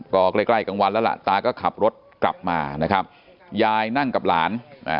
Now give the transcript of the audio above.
ก็ใกล้ใกล้กลางวันแล้วล่ะตาก็ขับรถกลับมานะครับยายนั่งกับหลานอ่า